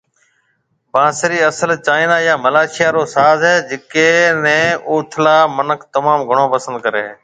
بانسري اصل چائينا يا ملائيشيا رو ساز ھيَََ جڪي ني اوٿلا منک تموم گھڻو پسند ڪري ھيَََ